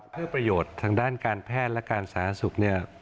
เพื่อประโยชน์ข้างด้านการแพลนและการสาธารณสุข